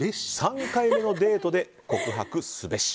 ３回目のデートで告白すべし。